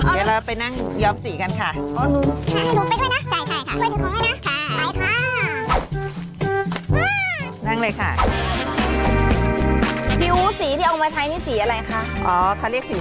อ๋อเขาเรียกสีนอกค่ะ